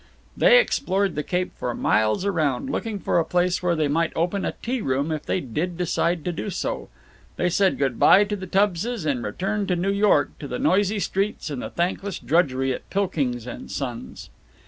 They explored the Cape for miles around, looking for a place where they might open a tea room if they did decide to do so. They said good by to the Tubbses and returned to New York, to the noisy streets and the thankless drudgery at Pilkings & Son's.